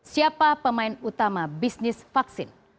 siapa pemain utama bisnis vaksin